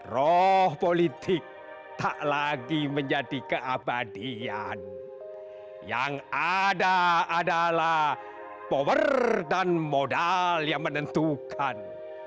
roh politik tak lagi menjadi keabadian yang ada adalah power dan modal yang menentukan